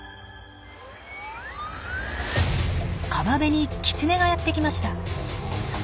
川辺にキツネがやって来ました。